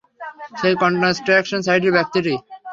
সেই কন্সট্রাকশন সাইটের ব্যাক্তিটি।